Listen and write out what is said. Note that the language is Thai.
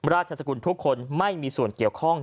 ราชสกุลทุกคนไม่มีส่วนเกี่ยวข้อง